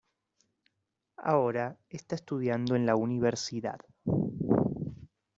Ahora está estudiando en la universidad.